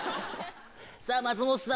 さぁ松本さん